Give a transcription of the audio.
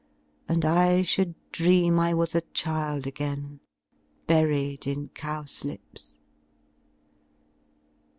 And I should dream I was a child again Buried in cowslips.